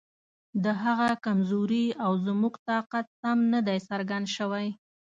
د هغه کمزوري او زموږ طاقت سم نه دی څرګند شوی.